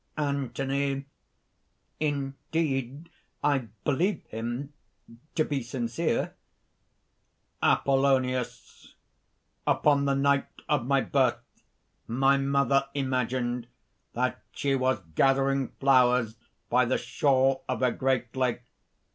ANTHONY. "Indeed I believe him to be sincere." APOLLONIUS. "Upon the night of my birth, my mother imagined that she was gathering flowers by the shore of a great lake.